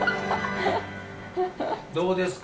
どうですか？